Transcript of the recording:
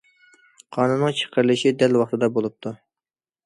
قانۇننىڭ چىقىرىلىشى دەل ۋاقتىدا بولۇپتۇ.